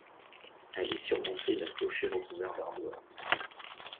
Elle est surmontée d'un clocher recouvert d'ardoises.